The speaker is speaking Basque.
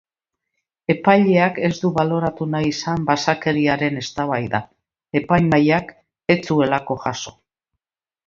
Epaileak ez du baloratu nahi izan basakeriaren eztabaida, epaimahaiak ez zuelako jaso.